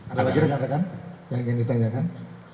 ada lagi rekan rekan yang ingin ditanyakan